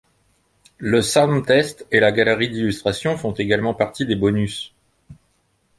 Le Soundtest et la galerie d'illustrations font également partie des bonus.